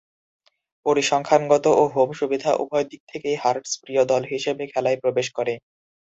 পরিসংখ্যানগত ও হোম সুবিধা উভয় দিক থেকেই হার্টস প্রিয় দল হিসেবে খেলায় প্রবেশ করে।